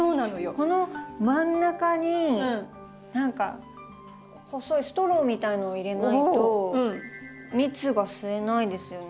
この真ん中に何か細いストローみたいのを入れないと蜜が吸えないですよね。